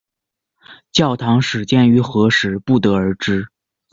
教堂始建于何时不得而知。